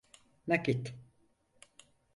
Nakit.